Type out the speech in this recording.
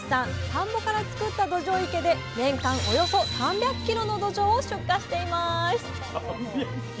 田んぼから作ったどじょう池で年間およそ３００ｋｇのどじょうを出荷しています。